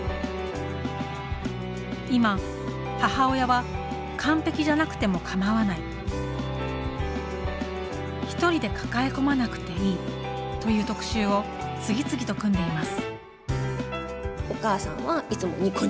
今、母親は「完璧じゃなくてもかまわない」「一人で抱え込まなくていい」という特集を次々と組んでいます。